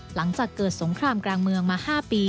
หลังจากเกิดสงครามกลางเมืองมา๕ปี